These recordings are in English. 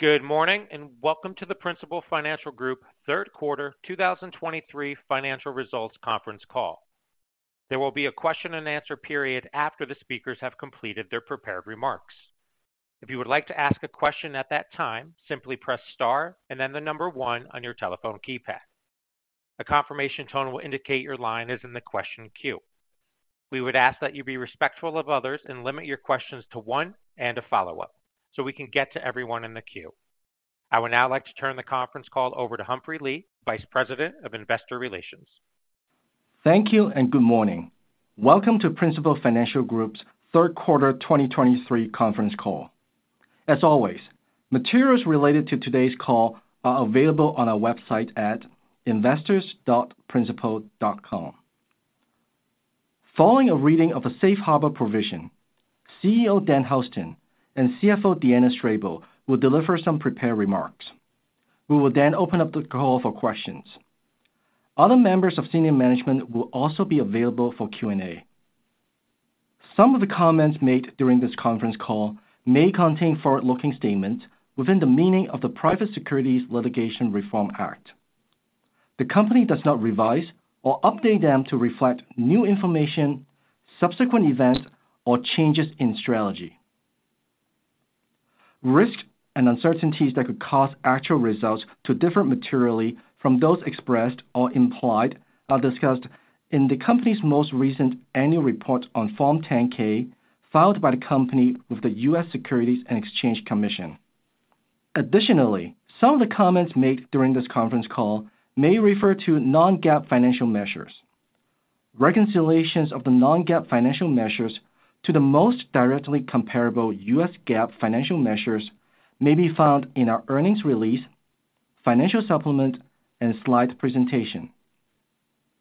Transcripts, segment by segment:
Good morning, and welcome to the Principal Financial Group Third Quarter 2023 Financial Results Conference Call. There will be a question-and-answer period after the speakers have completed their prepared remarks. If you would like to ask a question at that time, simply press star and then the number one on your telephone keypad. A confirmation tone will indicate your line is in the question queue. We would ask that you be respectful of others and limit your questions to one and a follow-up so we can get to everyone in the queue. I would now like to turn the conference call over to Humphrey Lee, Vice President of Investor Relations. Thank you and good morning. Welcome to Principal Financial Group's Third Quarter 2023 Conference Call. As always, materials related to today's call are available on our website at investors.principal.com. Following a reading of the Safe Harbor provision, CEO Dan Houston and CFO Deanna Strable will deliver some prepared remarks. We will then open up the call for questions. Other members of senior management will also be available for Q&A. Some of the comments made during this conference call may contain forward-looking statements within the meaning of the Private Securities Litigation Reform Act. The company does not revise or update them to reflect new information, subsequent events, or changes in strategy. Risks and uncertainties that could cause actual results to differ materially from those expressed or implied are discussed in the company's most recent annual report on Form 10-K, filed by the company with the U.S. Securities and Exchange Commission. Additionally, some of the comments made during this conference call may refer to non-GAAP financial measures. Reconciliations of the non-GAAP financial measures to the most directly comparable U.S. GAAP financial measures may be found in our earnings release, financial supplement, and slide presentation.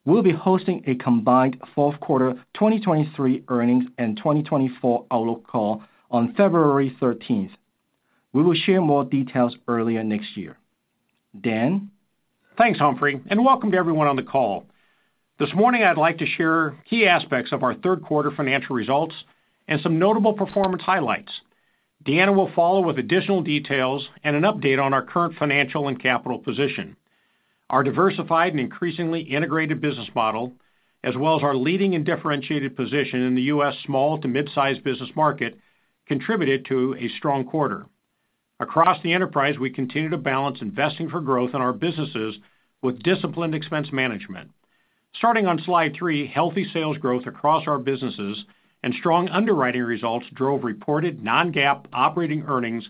We'll be hosting a combined fourth quarter 2023 earnings and 2024 outlook call on February thirteenth. We will share more details earlier next year. Dan? Thanks, Humphrey, and welcome to everyone on the call. This morning, I'd like to share key aspects of our third quarter financial results and some notable performance highlights. Deanna will follow with additional details and an update on our current financial and capital position. Our diversified and increasingly integrated business model, as well as our leading and differentiated position in the US small to mid-sized business market, contributed to a strong quarter. Across the enterprise, we continue to balance investing for growth in our businesses with disciplined expense management. Starting on slide three, healthy sales growth across our businesses and strong underwriting results drove reported non-GAAP operating earnings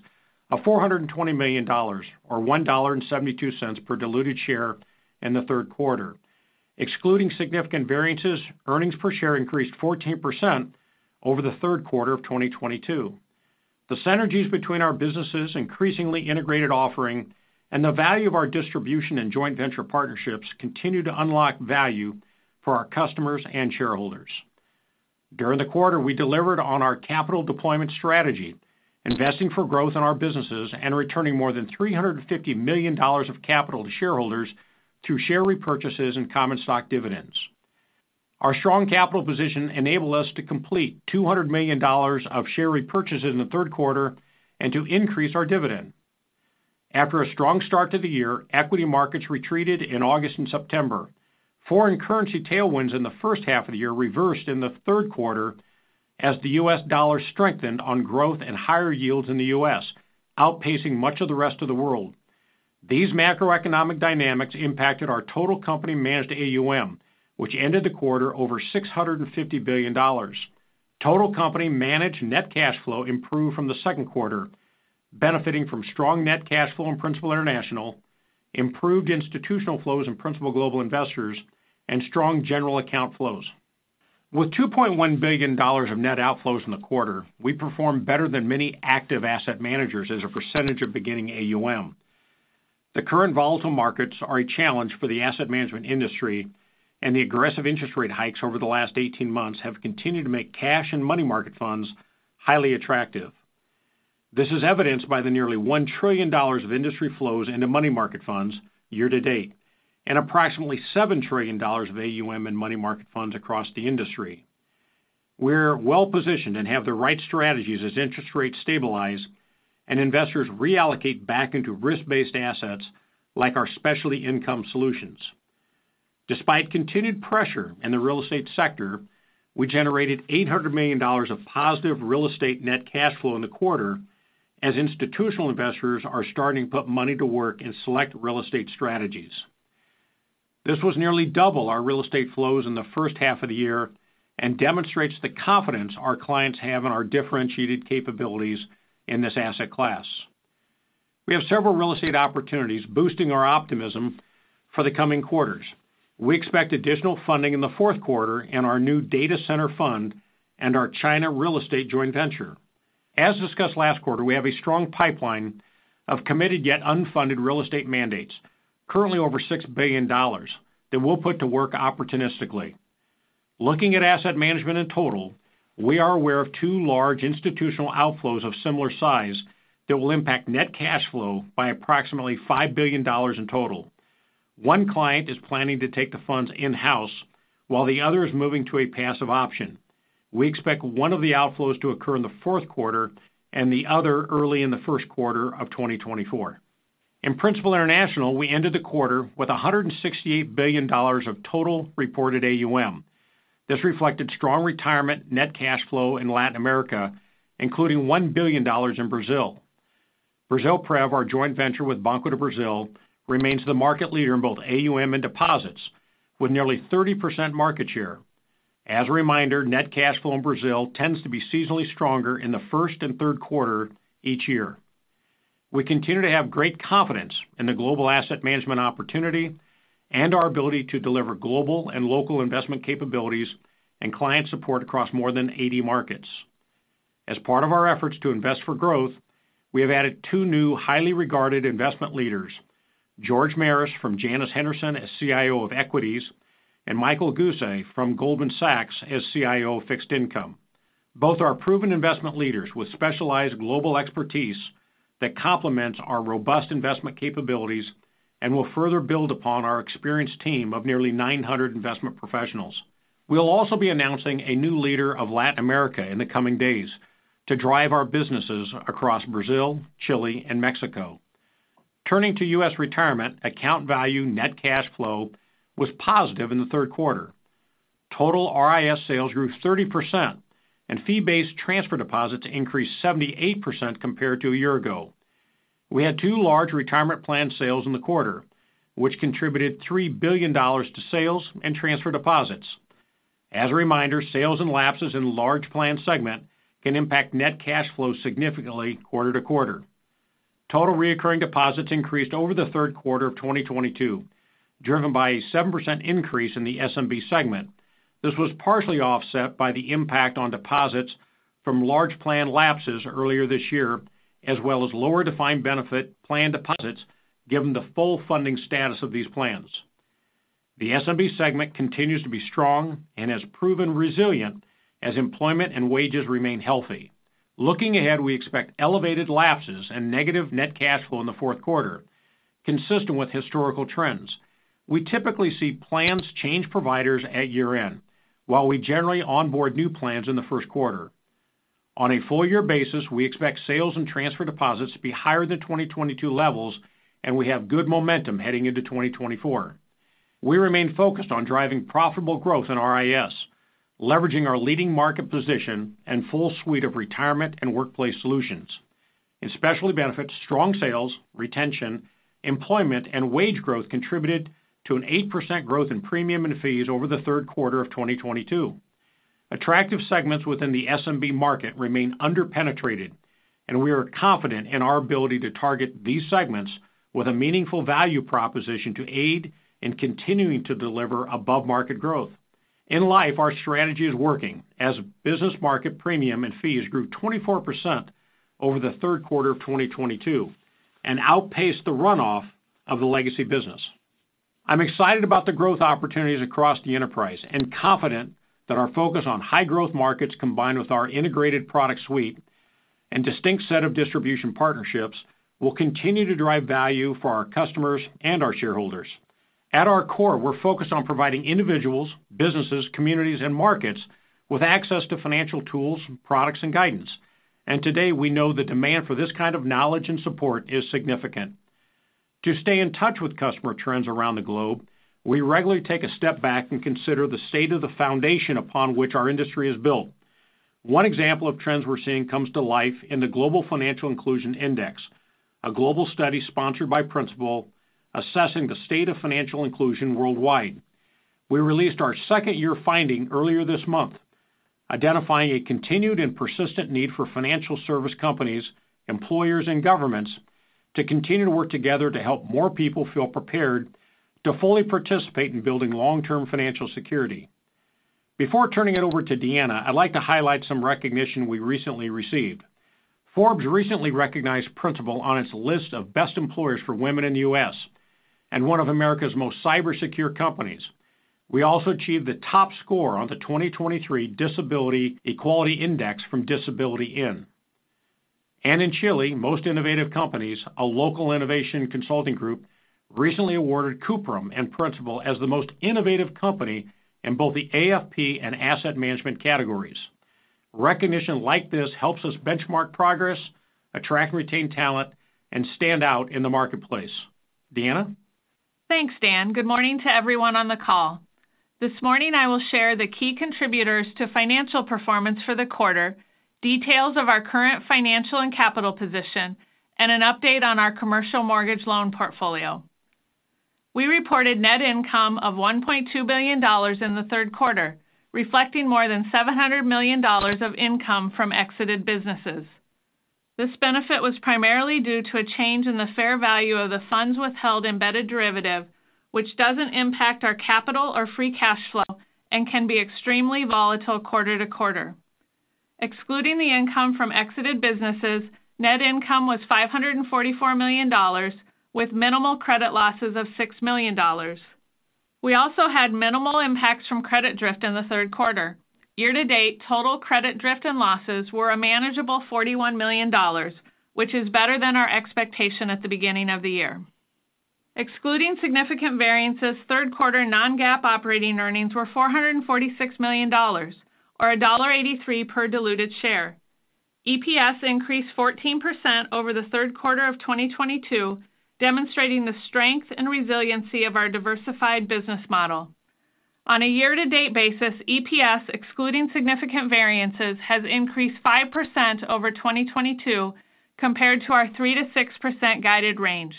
of $420 million or $1.72 per diluted share in the third quarter. Excluding significant variances, earnings per share increased 14% over the third quarter of 2022. The synergies between our businesses' increasingly integrated offering and the value of our distribution and joint venture partnerships continue to unlock value for our customers and shareholders. During the quarter, we delivered on our capital deployment strategy, investing for growth in our businesses and returning more than $350 million of capital to shareholders through share repurchases and common stock dividends. Our strong capital position enabled us to complete $200 million of share repurchases in the third quarter and to increase our dividend. After a strong start to the year, equity markets retreated in August and September. Foreign currency tailwinds in the first half of the year reversed in the third quarter as the U.S. dollar strengthened on growth and higher yields in the U.S., outpacing much of the rest of the world. These macroeconomic dynamics impacted our total company managed AUM, which ended the quarter over $650 billion. Total company managed net cash flow improved from the second quarter, benefiting from strong net cash flow in Principal International, improved institutional flows in Principal Global Investors, and strong general account flows. With $2.1 billion of net outflows in the quarter, we performed better than many active asset managers as a percentage of beginning AUM. The current volatile markets are a challenge for the asset management industry, and the aggressive interest rate hikes over the last 18 months have continued to make cash and money market funds highly attractive. This is evidenced by the nearly $1 trillion of industry flows into money market funds year to date and approximately $7 trillion of AUM in money market funds across the industry. We're well positioned and have the right strategies as interest rates stabilize and investors reallocate back into risk-based assets like our specialty income solutions. Despite continued pressure in the real estate sector, we generated $800 million of positive real estate net cash flow in the quarter as institutional investors are starting to put money to work in select real estate strategies. This was nearly double our real estate flows in the first half of the year and demonstrates the confidence our clients have in our differentiated capabilities in this asset class. We have several real estate opportunities, boosting our optimism for the coming quarters. We expect additional funding in the fourth quarter in our new data center fund and our China real estate joint venture. As discussed last quarter, we have a strong pipeline of committed yet unfunded real estate mandates, currently over $6 billion, that we'll put to work opportunistically. Looking at asset management in total, we are aware of two large institutional outflows of similar size that will impact net cash flow by approximately $5 billion in total. One client is planning to take the funds in-house, while the other is moving to a passive option. We expect one of the outflows to occur in the fourth quarter and the other early in the first quarter of 2024. In Principal International, we ended the quarter with $168 billion of total reported AUM. This reflected strong retirement net cash flow in Latin America, including $1 billion in Brazil. Brasilprev, our joint venture with Banco do Brasil, remains the market leader in both AUM and deposits, with nearly 30% market share. As a reminder, net cash flow in Brazil tends to be seasonally stronger in the first and third quarter each year. We continue to have great confidence in the global asset management opportunity and our ability to deliver global and local investment capabilities and client support across more than 80 markets. As part of our efforts to invest for growth, we have added two new highly regarded investment leaders, George Maris from Janus Henderson as CIO of Equities, and Michael Goosay from Goldman Sachs as CIO of Fixed Income. Both are proven investment leaders with specialized global expertise that complements our robust investment capabilities and will further build upon our experienced team of nearly 900 investment professionals. We'll also be announcing a new leader of Latin America in the coming days to drive our businesses across Brazil, Chile, and Mexico. Turning to U.S. retirement, account value net cash flow was positive in the third quarter. Total RIS sales grew 30%, and fee-based transfer deposits increased 78% compared to a year ago. We had two large retirement plan sales in the quarter, which contributed $3 billion to sales and transfer deposits. As a reminder, sales and lapses in large plan segment can impact net cash flow significantly quarter to quarter. Total recurring deposits increased over the third quarter of 2022, driven by a 7% increase in the SMB segment. This was partially offset by the impact on deposits from large plan lapses earlier this year, as well as lower defined benefit plan deposits, given the full funding status of these plans. The SMB segment continues to be strong and has proven resilient as employment and wages remain healthy. Looking ahead, we expect elevated lapses and negative net cash flow in the fourth quarter, consistent with historical trends. We typically see plans change providers at year-end, while we generally onboard new plans in the first quarter. On a full year basis, we expect sales and transfer deposits to be higher than 2022 levels, and we have good momentum heading into 2024. We remain focused on driving profitable growth in RIS, leveraging our leading market position and full suite of retirement and workplace solutions. In specialty benefits, strong sales, retention, employment, and wage growth contributed to an 8% growth in premium and fees over the third quarter of 2022. Attractive segments within the SMB market remain underpenetrated, and we are confident in our ability to target these segments with a meaningful value proposition to aid in continuing to deliver above-market growth. In Life, our strategy is working as business market premium and fees grew 24% over the third quarter of 2022 and outpaced the runoff of the legacy business. I'm excited about the growth opportunities across the enterprise and confident that our focus on high-growth markets, combined with our integrated product suite and distinct set of distribution partnerships, will continue to drive value for our customers and our shareholders. At our core, we're focused on providing individuals, businesses, communities, and markets with access to financial tools, products, and guidance. Today, we know the demand for this kind of knowledge and support is significant. To stay in touch with customer trends around the globe, we regularly take a step back and consider the state of the foundation upon which our industry is built. One example of trends we're seeing comes to life in the Global Financial Inclusion Index, a global study sponsored by Principal, assessing the state of financial inclusion worldwide. We released our second-year finding earlier this month, identifying a continued and persistent need for financial service companies, employers, and governments to continue to work together to help more people feel prepared to fully participate in building long-term financial security. Before turning it over to Deanna, I'd like to highlight some recognition we recently received. Forbes recently recognized Principal on its list of best employers for women in the U.S. and one of America's most cyber secure companies. We also achieved the top score on the 2023 Disability Equality Index from Disability IN. In Chile, Most Innovative Companies, a local innovation consulting group, recently awarded Cuprum and Principal as the most innovative company in both the AFP and asset management categories. Recognition like this helps us benchmark progress, attract and retain talent, and stand out in the marketplace. Deanna? Thanks, Dan. Good morning to everyone on the call. This morning, I will share the key contributors to financial performance for the quarter, details of our current financial and capital position, and an update on our commercial mortgage loan portfolio. We reported net income of $1.2 billion in the third quarter, reflecting more than $700 million of income from exited businesses. This benefit was primarily due to a change in the fair value of the funds withheld embedded derivative, which doesn't impact our capital or free cash flow and can be extremely volatile quarter-to-quarter. Excluding the income from exited businesses, net income was $544 million, with minimal credit losses of $6 million. We also had minimal impacts from credit drift in the third quarter. Year-to-date, total credit drift and losses were a manageable $41 million, which is better than our expectation at the beginning of the year. Excluding significant variances, third quarter non-GAAP operating earnings were $446 million, or $1.83 per diluted share. EPS increased 14% over the third quarter of 2022, demonstrating the strength and resiliency of our diversified business model. On a year-to-date basis, EPS, excluding significant variances, has increased 5% over 2022, compared to our 3%-6% guided range.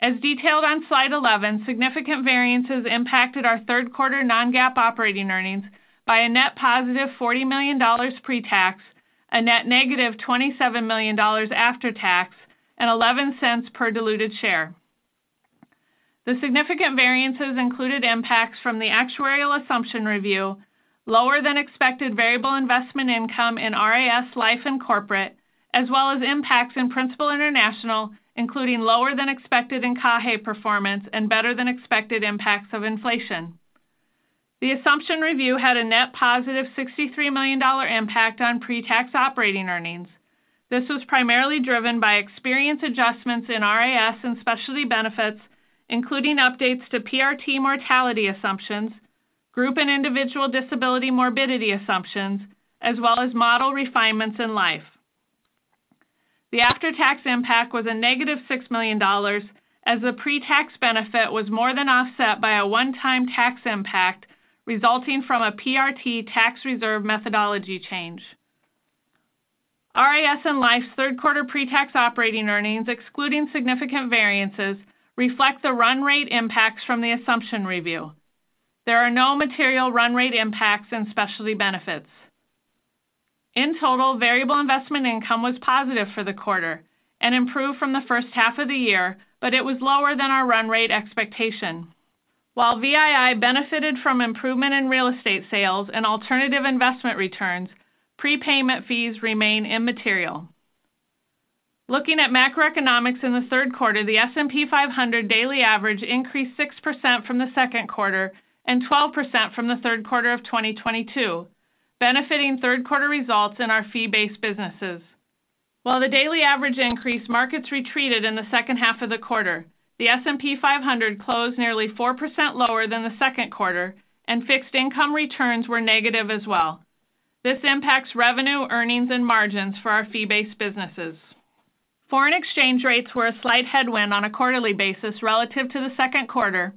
As detailed on slide 11, significant variances impacted our third quarter non-GAAP operating earnings by a net positive $40 million pre-tax, a net negative $27 million after tax, and $0.11 per diluted share. The significant variances included impacts from the actuarial assumption review, lower than expected variable investment income in RIS, Life, and Corporate, as well as impacts in Principal International, including lower than expected Encaje performance and better than expected impacts of inflation. The assumption review had a net positive $63 million impact on pre-tax operating earnings. This was primarily driven by experience adjustments in RIS and specialty benefits, including updates to PRT mortality assumptions, group and individual disability morbidity assumptions, as well as model refinements in Life. The after-tax impact was a negative $6 million, as the pre-tax benefit was more than offset by a one-time tax impact resulting from a PRT tax reserve methodology change. RIS and Life's third quarter pre-tax operating earnings, excluding significant variances, reflect the run rate impacts from the assumption review. There are no material run rate impacts in specialty benefits. In total, variable investment income was positive for the quarter and improved from the first half of the year, but it was lower than our run rate expectation. While VII benefited from improvement in real estate sales and alternative investment returns, prepayment fees remain immaterial. Looking at macroeconomics in the third quarter, the S&P 500 daily average increased 6% from the second quarter and 12% from the third quarter of 2022, benefiting third quarter results in our fee-based businesses. While the daily average increased, markets retreated in the second half of the quarter. The S&P 500 closed nearly 4% lower than the second quarter, and fixed income returns were negative as well. This impacts revenue, earnings, and margins for our fee-based businesses. Foreign exchange rates were a slight headwind on a quarterly basis relative to the second quarter,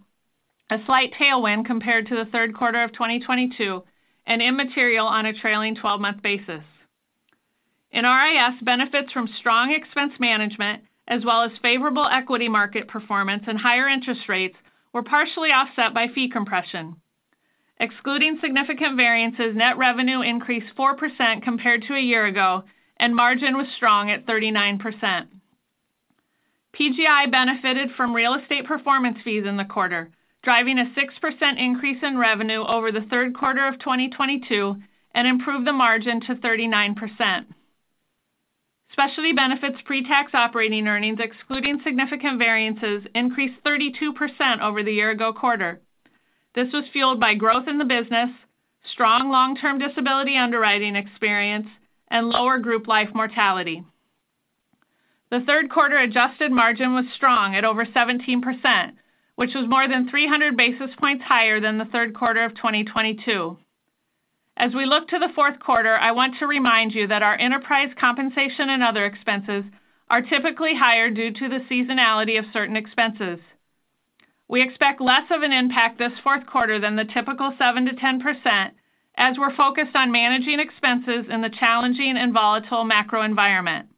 a slight tailwind compared to the third quarter of 2022, and immaterial on a trailing twelve-month basis. In RIS, benefits from strong expense management, as well as favorable equity market performance and higher interest rates, were partially offset by fee compression. Excluding significant variances, net revenue increased 4% compared to a year ago, and margin was strong at 39%. PGI benefited from real estate performance fees in the quarter, driving a 6% increase in revenue over the third quarter of 2022, and improved the margin to 39%. Specialty Benefits pre-tax operating earnings, excluding significant variances, increased 32% over the year ago quarter. This was fueled by growth in the business, strong long-term disability underwriting experience, and lower group life mortality. The third quarter adjusted margin was strong at over 17%, which was more than 300 basis points higher than the third quarter of 2022. As we look to the fourth quarter, I want to remind you that our enterprise compensation and other expenses are typically higher due to the seasonality of certain expenses. We expect less of an impact this fourth quarter than the typical 7% to 10%, as we're focused on managing expenses in the challenging and volatile macro environment.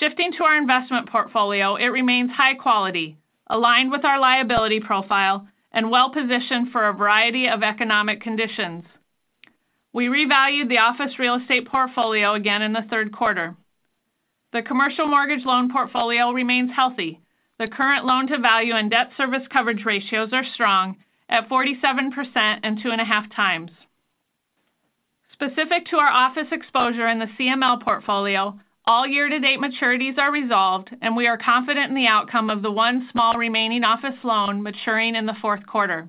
Shifting to our investment portfolio, it remains high quality, aligned with our liability profile, and well-positioned for a variety of economic conditions. We revalued the office real estate portfolio again in the third quarter. The commercial mortgage loan portfolio remains healthy. The current loan-to-value and debt service coverage ratios are strong at 47% and 2.5 times. Specific to our office exposure in the CML portfolio, all year-to-date maturities are resolved, and we are confident in the outcome of the one small remaining office loan maturing in the fourth quarter.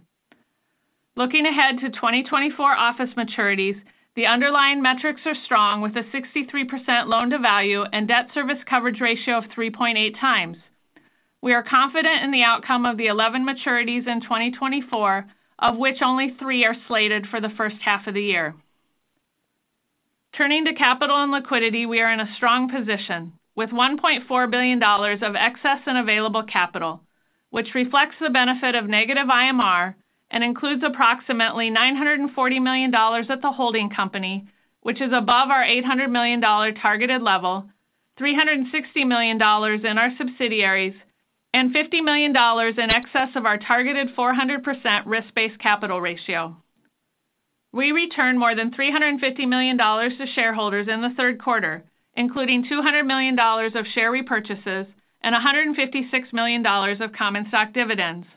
Looking ahead to 2024 office maturities, the underlying metrics are strong, with a 63% loan-to-value and debt service coverage ratio of 3.8 times. We are confident in the outcome of the 11 maturities in 2024, of which only three are slated for the first half of the year. Turning to capital and liquidity, we are in a strong position, with $1.4 billion of excess and available capital, which reflects the benefit of negative IMR and includes approximately $940 million at the holding company, which is above our $800 million targeted level, $360 million in our subsidiaries, and $50 million in excess of our targeted 400% risk-based capital ratio. We returned more than $350 million to shareholders in the third quarter, including $200 million of share repurchases and $156 million of common stock dividends.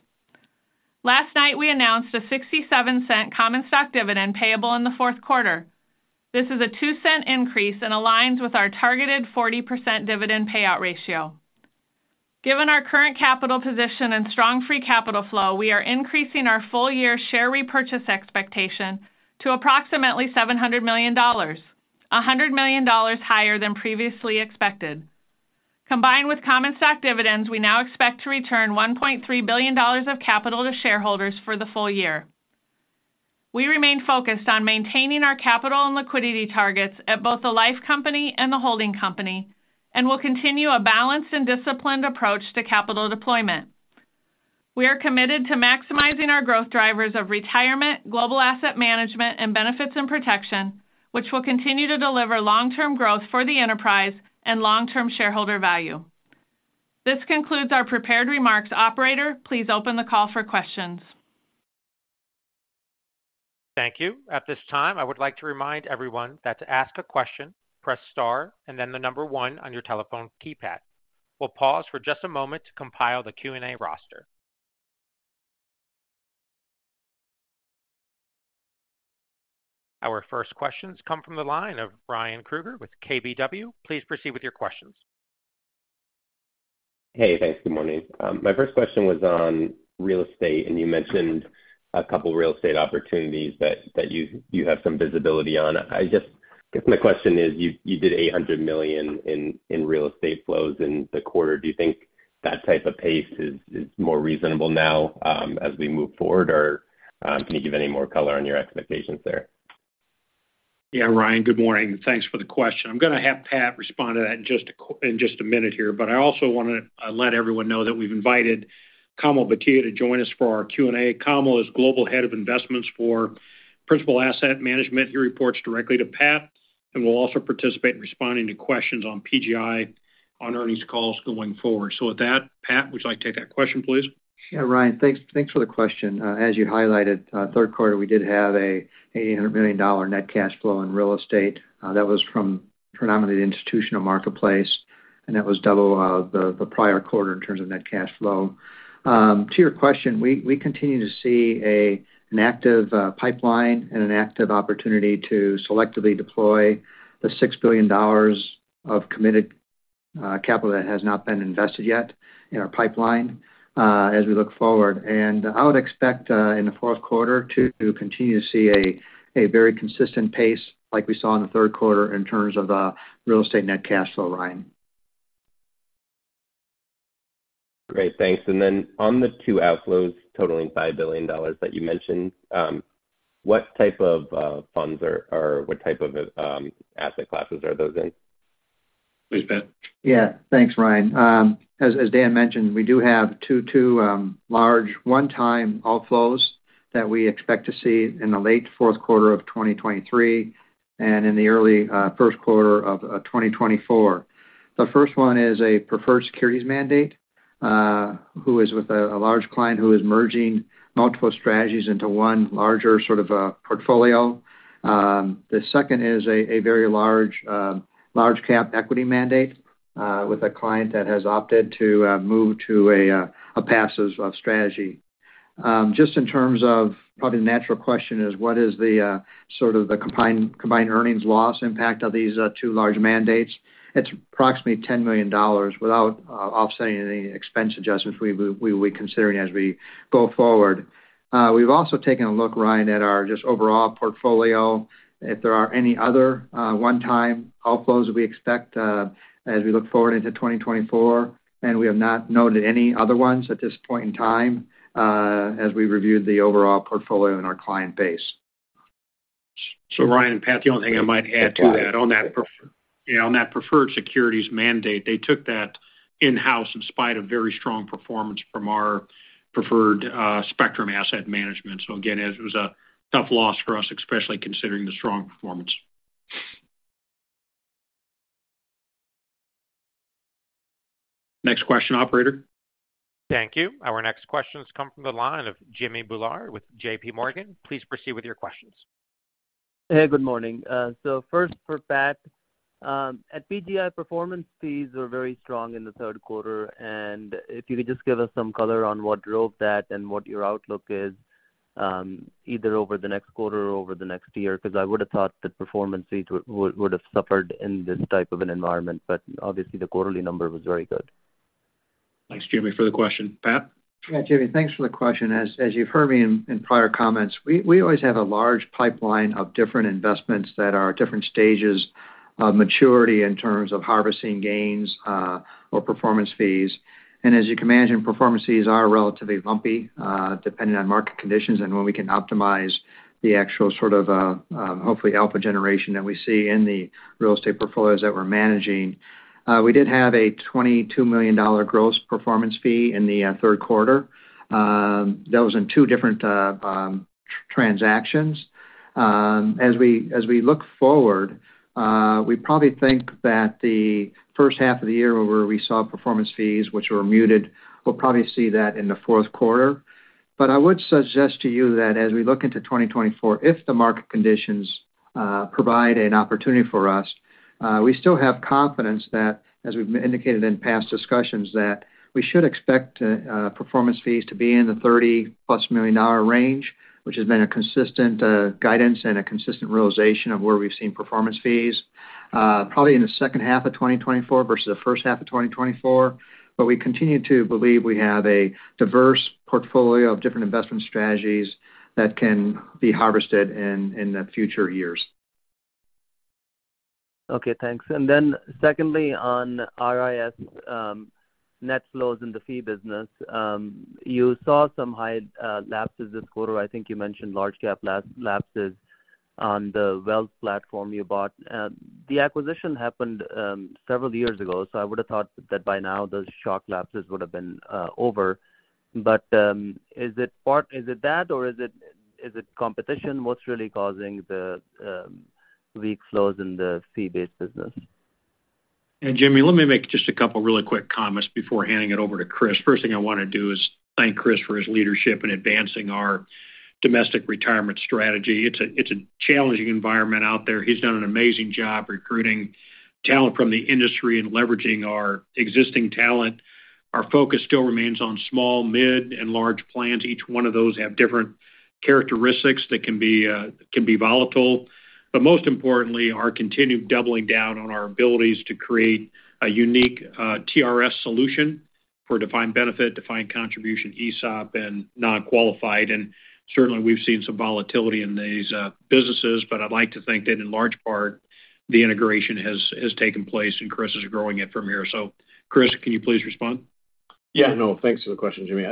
Last night, we announced a $0.67 common stock dividend payable in the fourth quarter. This is a $0.02 increase and aligns with our targeted 40% dividend payout ratio. Given our current capital position and strong free capital flow, we are increasing our full year share repurchase expectation to approximately $700 million, $100 million higher than previously expected. Combined with common stock dividends, we now expect to return $1.3 billion of capital to shareholders for the full year. We remain focused on maintaining our capital and liquidity targets at both the life company and the holding company, and will continue a balanced and disciplined approach to capital deployment. We are committed to maximizing our growth drivers of retirement, global asset management, and benefits and protection, which will continue to deliver long-term growth for the enterprise and long-term shareholder value. This concludes our prepared remarks. Operator, please open the call for questions. Thank you. At this time, I would like to remind everyone that to ask a question, press star and then the number one on your telephone keypad. We'll pause for just a moment to compile the Q&A roster. Our first questions come from the line of Ryan Krueger with KBW. Please proceed with your questions. Hey, thanks. Good morning. My first question was on real estate, and you mentioned a couple real estate opportunities that you have some visibility on. I just, I guess my question is, you did $800 million in real estate flows in the quarter. Do you think that type of pace is more reasonable now, as we move forward? Or, can you give any more color on your expectations there? Yeah, Ryan, good morning. Thanks for the question. I'm going to have Pat respond to that in just a minute here, but I also want to let everyone know that we've invited Kamal Bhatia to join us for our Q&A. Kamal is Global Head of Investments for Principal Asset Management. He reports directly to Pat and will also participate in responding to questions on PGI, on earnings calls going forward. So with that, Pat, would you like to take that question, please? Yeah, Ryan, thanks, thanks for the question. As you highlighted, third quarter, we did have an $800 million net cash flow in real estate. That was from predominantly the institutional marketplace, and that was double the prior quarter in terms of net cash flow. To your question, we continue to see an active pipeline and an active opportunity to selectively deploy the $6 billion of committed capital that has not been invested yet in our pipeline, as we look forward. And I would expect in the fourth quarter to continue to see a very consistent pace like we saw in the third quarter in terms of real estate net cash flow, Ryan. Great, thanks. And then on the two outflows totaling $5 billion that you mentioned, what type of funds or what type of asset classes are those in? Please, Pat. Yeah, thanks, Ryan. As Dan mentioned, we do have two large one-time outflows that we expect to see in the late fourth quarter of 2023 and in the early first quarter of 2024. The first one is a preferred securities mandate who is with a large client who is merging multiple strategies into one larger sort of portfolio. The second is a very large large cap equity mandate with a client that has opted to move to a passive strategy. Just in terms of probably the natural question is, what is the sort of the combined earnings loss impact of these two large mandates? It's approximately $10 million without offsetting any expense adjustments we will be considering as we go forward. We've also taken a look, Ryan, at our just overall portfolio, if there are any other one-time outflows that we expect as we look forward into 2024, and we have not noted any other ones at this point in time as we reviewed the overall portfolio and our client base. So Ryan and Pat, the only thing I might add to that on that preferred. Yeah, on that preferred securities mandate, they took that in-house in spite of very strong performance from our preferred, Spectrum Asset Management. So again, it was a tough loss for us, especially considering the strong performance. Next question, operator. Thank you. Our next questions come from the line of Jimmy Bhullar with JP Morgan. Please proceed with your questions. Hey, good morning. So first for Pat. At PGI, performance fees were very strong in the third quarter, and if you could just give us some color on what drove that and what your outlook is, either over the next quarter or over the next year, because I would have thought that performance fees would have suffered in this type of an environment, but obviously, the quarterly number was very good. Thanks, Jimmy, for the question. Pat? Yeah, Jimmy, thanks for the question. As you've heard me in prior comments, we always have a large pipeline of different investments that are at different stages of maturity in terms of harvesting gains or performance fees. And as you can imagine, performance fees are relatively lumpy depending on market conditions and when we can optimize the actual sort of hopefully alpha generation that we see in the real estate portfolios that we're managing. We did have a $22 million gross performance fee in the third quarter. That was in two different transactions. As we look forward, we probably think that the first half of the year where we saw performance fees which were muted, we'll probably see that in the fourth quarter. But I would suggest to you that as we look into 2024, if the market conditions- Provide an opportunity for us. We still have confidence that, as we've indicated in past discussions, that we should expect, performance fees to be in the $30+ million range, which has been a consistent, guidance and a consistent realization of where we've seen performance fees. Probably in the second half of 2024 versus the first half of 2024. But we continue to believe we have a diverse portfolio of different investment strategies that can be harvested in the future years. Okay, thanks. And then secondly, on RIS, net flows in the fee business. You saw some high lapses this quarter. I think you mentioned large cap lapses on the wealth platform you bought. The acquisition happened several years ago, so I would have thought that by now, those shock lapses would have been over. But, is it part-- is it that, or is it, is it competition? What's really causing the weak flows in the fee-based business? Jimmy, let me make just a couple of really quick comments before handing it over to Chris. First thing I want to do is thank Chris for his leadership in advancing our domestic retirement strategy. It's a challenging environment out there. He's done an amazing job recruiting talent from the industry and leveraging our existing talent. Our focus still remains on small, mid, and large plans. Each one of those have different characteristics that can be volatile, but most importantly, our continued doubling down on our abilities to create a unique TRS solution for defined benefit, defined contribution, ESOP, and non-qualified. Certainly, we've seen some volatility in these businesses, but I'd like to think that in large part, the integration has taken place, and Chris is growing it from here. Chris, can you please respond? Yeah, no, thanks for the question, Jimmy.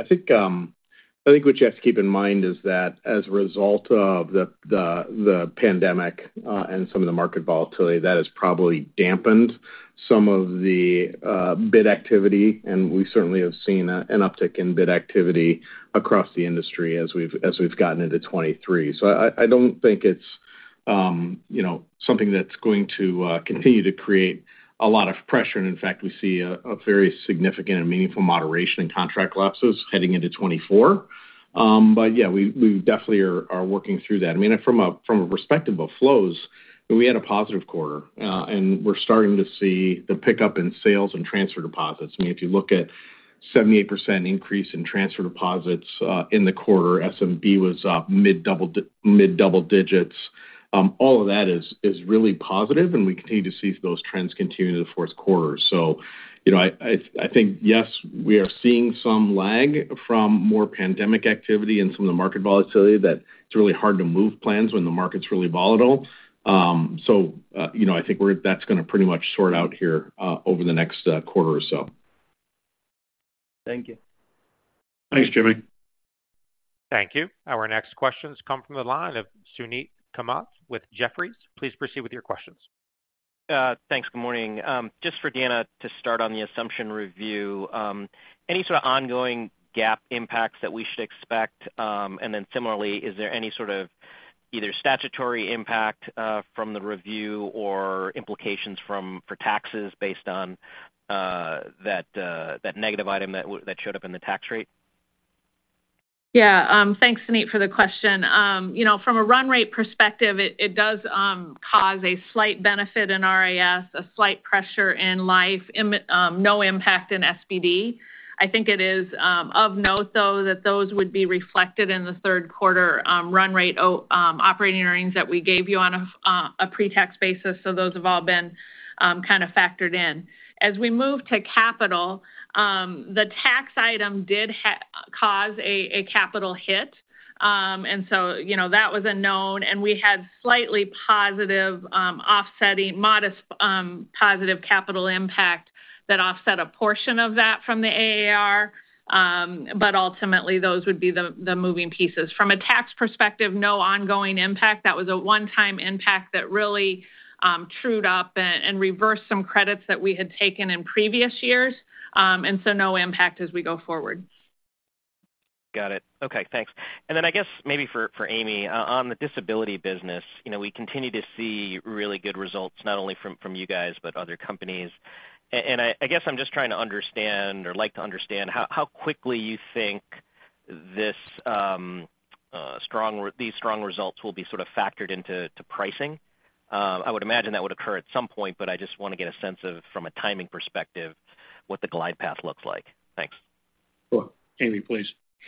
I think what you have to keep in mind is that as a result of the pandemic and some of the market volatility, that has probably dampened some of the bid activity, and we certainly have seen an uptick in bid activity across the industry as we've gotten into 2023. So I don't think it's, you know, something that's going to continue to create a lot of pressure. And in fact, we see a very significant and meaningful moderation in contract lapses heading into 2024. But yeah, we definitely are working through that. I mean, from a perspective of flows, we had a positive quarter, and we're starting to see the pickup in sales and transfer deposits. I mean, if you look at 78% increase in transfer deposits in the quarter, SMB was up mid double digits. All of that is really positive, and we continue to see those trends continue into the fourth quarter. So, you know, I think yes, we are seeing some lag from more pandemic activity and some of the market volatility, that it's really hard to move plans when the market's really volatile. So, you know, I think we're. That's gonna pretty much sort out here over the next quarter or so. Thank you. Thanks, Jimmy. Thank you. Our next questions come from the line of Suneet Kamath with Jefferies. Please proceed with your questions. Thanks. Good morning. Just for Deanna, to start on the assumption review, any sort of ongoing gap impacts that we should expect? And then similarly, is there any sort of either statutory impact from the review or implications from... for taxes based on that negative item that showed up in the tax rate? Yeah. Thanks, Suneet, for the question. You know, from a run rate perspective, it does cause a slight benefit in RIS, a slight pressure in life, no impact in SBD. I think it is of note, though, that those would be reflected in the third quarter run rate operating earnings that we gave you on a pre-tax basis, so those have all been kind of factored in. As we move to capital, the tax item did cause a capital hit. And so, you know, that was a known, and we had slightly positive offsetting modest positive capital impact that offset a portion of that from the AAR. But ultimately, those would be the moving pieces. From a tax perspective, no ongoing impact. That was a one-time impact that really trued up and reversed some credits that we had taken in previous years and so no impact as we go forward. Got it. Okay, thanks. And then I guess maybe for Amy on the disability business, you know, we continue to see really good results, not only from you guys, but other companies. And I guess I'm just trying to understand or like to understand how quickly you think these strong results will be sort of factored into pricing. I would imagine that would occur at some point, but I just want to get a sense of, from a timing perspective, what the glide path looks like. Thanks. Sure. Amy, please.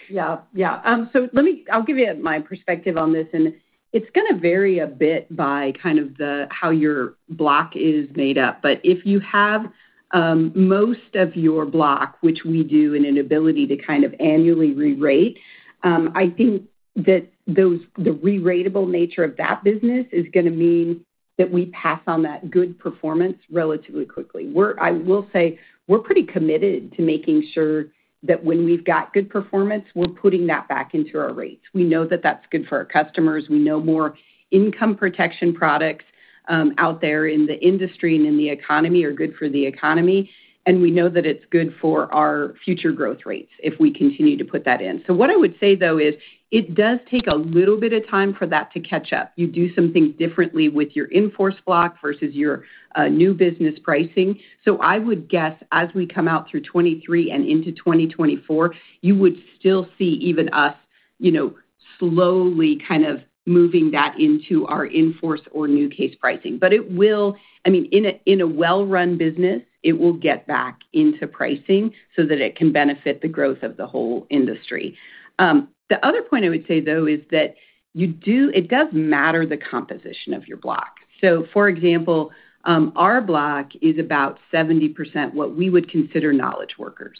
Yeah. Let me-- I'll give you my perspective on this, and it's gonna vary a bit by kind of the, how your block is made up. If you have most of your block, which we do, in an ability to kind of annually re-rate, I think that the re-ratable nature of that business is gonna mean that we pass on that good performance relatively quickly. I will say we're pretty committed to making sure that when we've got good performance, we're putting that back into our rates. We know that that's good for our customers. We know more income protection products out there in the industry and in the economy are good for the economy, and we know that it's good for our future growth rates if we continue to put that in. So what I would say, though, is it does take a little bit of time for that to catch up. You do some things differently with your in-force block versus your new business pricing. So I would guess as we come out through 2023 and into 2024, you would still see even us- You know, slowly kind of moving that into our in-force or new case pricing. But it will, I mean, in a, in a well-run business, it will get back into pricing so that it can benefit the growth of the whole industry. The other point I would say, though, is that you do, it does matter the composition of your block. So for example, our block is about 70% what we would consider knowledge workers.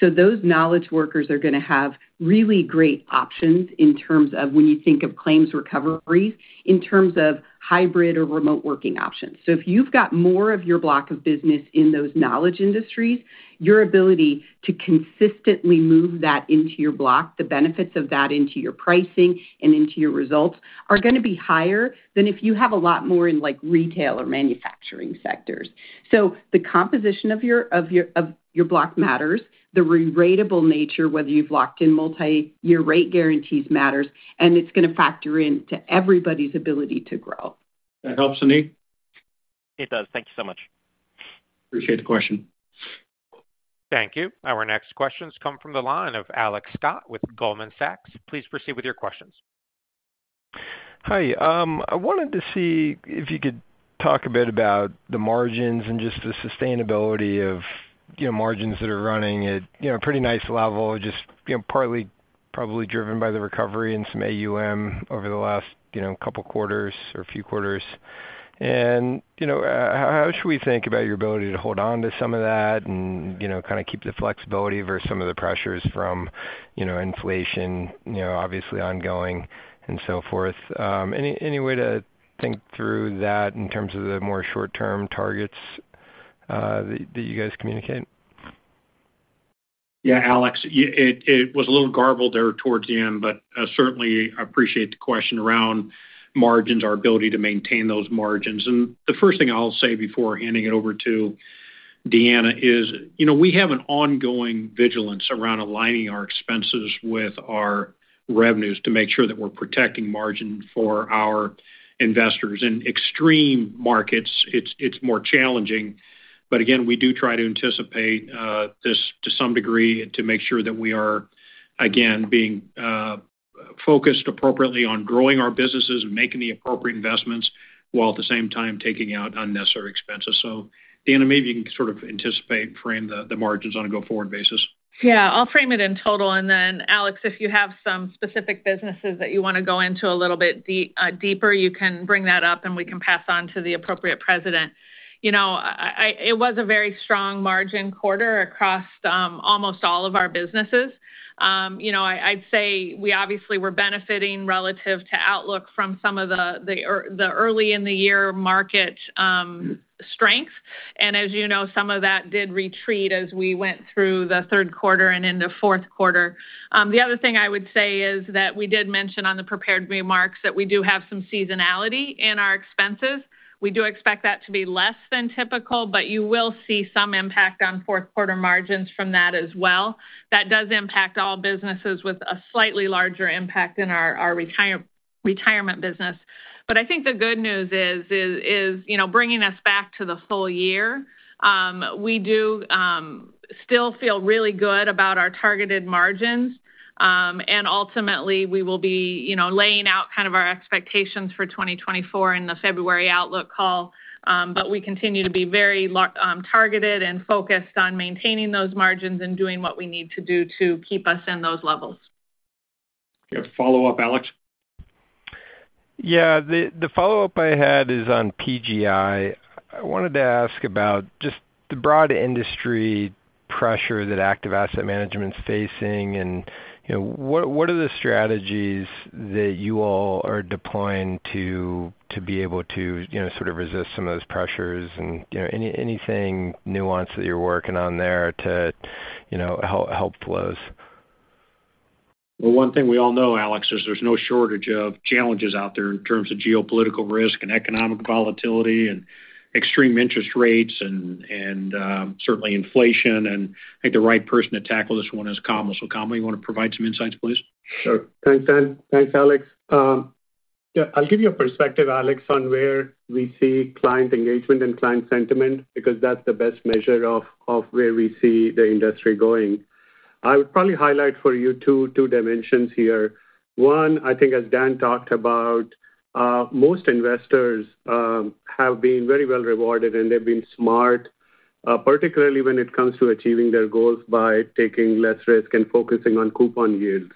So those knowledge workers are going to have really great options in terms of when you think of claims recoveries, in terms of hybrid or remote working options. So if you've got more of your block of business in those knowledge industries, your ability to consistently move that into your block, the benefits of that into your pricing and into your results, are going to be higher than if you have a lot more in, like, retail or manufacturing sectors. So the composition of your block matters. The reratable nature, whether you've locked in multi-year rate guarantees, matters, and it's going to factor into everybody's ability to grow. That help, Suneet? It does. Thank you so much. Appreciate the question. Thank you. Our next questions come from the line of Alex Scott with Goldman Sachs. Please proceed with your questions. Hi. I wanted to see if you could talk a bit about the margins and just the sustainability of, you know, margins that are running at, you know, a pretty nice level, just, you know, partly probably driven by the recovery in some AUM over the last, you know, couple quarters or few quarters. And, you know, how should we think about your ability to hold on to some of that and, you know, kind of keep the flexibility versus some of the pressures from, you know, inflation, you know, obviously ongoing and so forth? Any way to think through that in terms of the more short-term targets that you guys communicate? Yeah, Alex, it was a little garbled there towards the end, but certainly appreciate the question around margins, our ability to maintain those margins. And the first thing I'll say before handing it over to Deanna is, you know, we have an ongoing vigilance around aligning our expenses with our revenues to make sure that we're protecting margin for our investors. In extreme markets, it's more challenging. But again, we do try to anticipate this to some degree to make sure that we are, again, being focused appropriately on growing our businesses and making the appropriate investments, while at the same time taking out unnecessary expenses. So, Deanna, maybe you can sort of anticipate and frame the margins on a go-forward basis. Yeah, I'll frame it in total, and then, Alex, if you have some specific businesses that you want to go into a little bit deeper, you can bring that up, and we can pass on to the appropriate president. You know, it was a very strong margin quarter across almost all of our businesses. You know, I, I'd say we obviously were benefiting relative to outlook from some of the, the early in the year market strength. And as you know, some of that did retreat as we went through the third quarter and into fourth quarter. The other thing I would say is that we did mention on the prepared remarks that we do have some seasonality in our expenses. We do expect that to be less than typical, but you will see some impact on fourth quarter margins from that as well. That does impact all businesses with a slightly larger impact in our retirement business. But I think the good news is, you know, bringing us back to the full year, we do still feel really good about our targeted margins. And ultimately, we will be, you know, laying out kind of our expectations for 2024 in the February outlook call. But we continue to be very targeted and focused on maintaining those margins and doing what we need to do to keep us in those levels. You have a follow-up, Alex? Yeah, the follow-up I had is on PGI. I wanted to ask about just the broad industry pressure that active asset management is facing, and, you know, what are the strategies that you all are deploying to be able to, you know, sort of resist some of those pressures and, you know, any nuance that you're working on there to, you know, help flows? Well, one thing we all know, Alex, is there's no shortage of challenges out there in terms of geopolitical risk and economic volatility and extreme interest rates and certainly inflation. I think the right person to tackle this one is Kamal. So, Kamal, you want to provide some insights, please? Sure. Thanks, Dan. Thanks, Alex. Yeah, I'll give you a perspective, Alex, on where we see client engagement and client sentiment, because that's the best measure of where we see the industry going. I would probably highlight for you two dimensions here. One, I think as Dan talked about, most investors have been very well rewarded, and they've been smart, particularly when it comes to achieving their goals by taking less risk and focusing on coupon yields.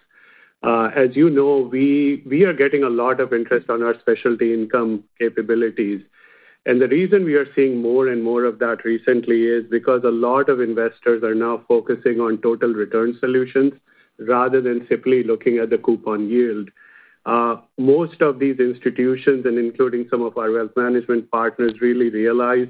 As you know, we are getting a lot of interest on our specialty income capabilities, and the reason we are seeing more and more of that recently is because a lot of investors are now focusing on total return solutions rather than simply looking at the coupon yield. Most of these institutions, and including some of our wealth management partners, really realize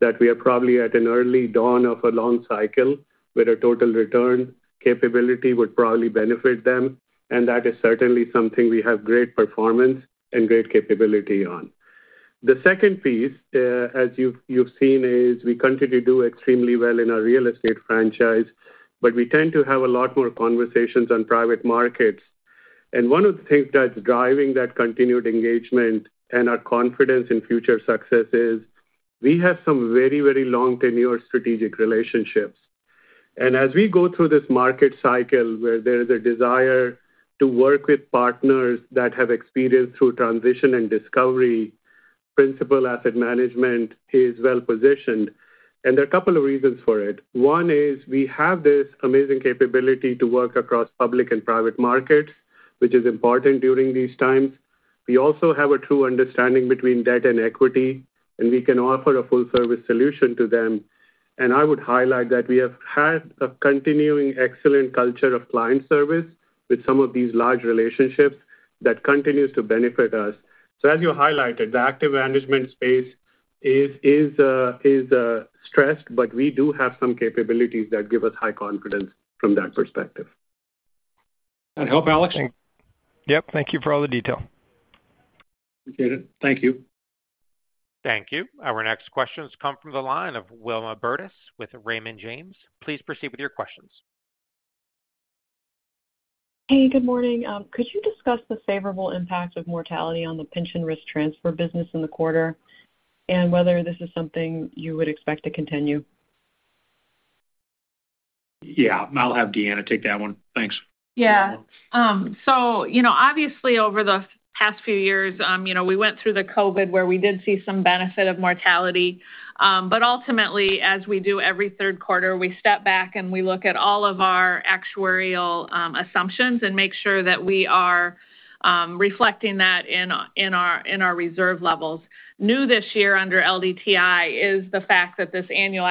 that we are probably at an early dawn of a long cycle, where a total return capability would probably benefit them, and that is certainly something we have great performance and great capability on. The second piece, as you've seen, is we continue to do extremely well in our real estate franchise, but we tend to have a lot more conversations on private markets. And one of the things that's driving that continued engagement and our confidence in future success is we have some very, very long tenure strategic relationships. And as we go through this market cycle, where there is a desire to work with partners that have experience through transition and discovery, Principal Asset Management is well positioned, and there are a couple of reasons for it. One is we have this amazing capability to work across public and private markets, which is important during these times. We also have a true understanding between debt and equity, and we can offer a full service solution to them. And I would highlight that we have had a continuing excellent culture of client service with some of these large relationships that continues to benefit us. So as you highlighted, the active management space is stressed, but we do have some capabilities that give us high confidence from that perspective. That help, Alex? Yep. Thank you for all the detail. Appreciate it. Thank you. Thank you. Our next questions come from the line of Wilma Burdis with Raymond James. Please proceed with your questions. Hey, good morning. Could you discuss the favorable impact of mortality on the Pension Risk Transfer business in the quarter, and whether this is something you would expect to continue? Yeah, I'll have Deanna take that one. Thanks. Yeah. You know, obviously, over the past few years, you know, we went through the COVID, where we did see some benefit of mortality. Ultimately, as we do every third quarter, we step back and we look at all of our actuarial assumptions and make sure that we are reflecting that in our reserve levels. New this year under LDTI is the fact that this annual